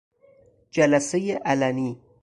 جلسهی علنی